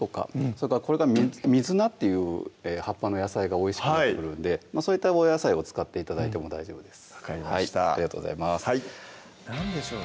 それからこれから水菜っていう葉っぱの野菜がおいしくなってくるんでそういったお野菜を使って頂いても大丈夫です